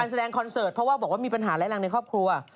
ในคอนเสิร์ตเพราะว่ามีปัญหาแร้แรงในครอบครัว